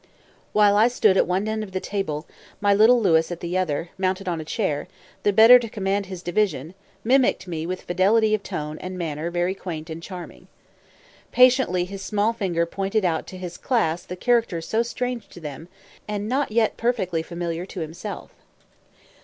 While I stood at one end of the table, my little Louis at the other, mounted on a chair, the better to command his division, mimicked me with a fidelity of tone and manner very quaint and charming. Patiently his small finger pointed out to his class the characters so strange to them, and not yet perfectly familiar to himself.